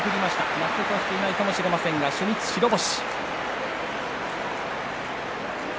納得はしていないかもしれませんが、初日白星。